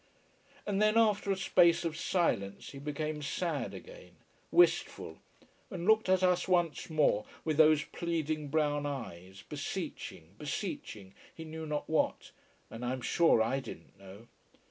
And then, after a space of silence, he became sad again, wistful, and looked at us once more with those pleading brown eyes, beseeching, beseeching he knew not what: and I'm sure I didn't know.